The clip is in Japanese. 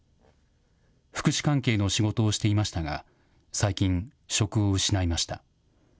福祉関係の仕事をしていましたが、最近、職を失いました。